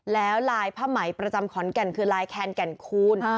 แล้วลายผ้าไหมประจำขอนแก่นคือลายแคนแก่นคูณ